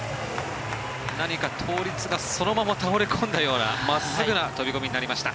何か倒立がそのまま倒れこんだかのような真っすぐな飛込になりました。